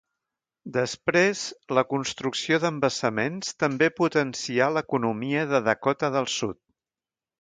Després la construcció d'embassaments també potencià l'economia de Dakota del Sud.